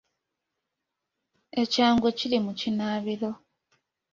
Ekyangwe kiri mu kinaabiro.